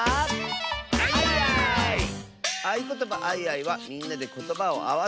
「あいことばあいあい」はみんなでことばをあわせるあそび！